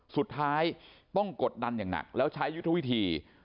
สุดท้ายต้องกดดันอย่างหนักแล้วใช้ยุทธวิธี